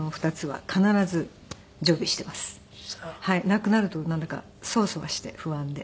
なくなるとなんだかソワソワして不安で。